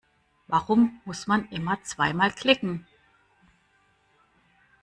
Warum muss man immer zweimal klicken?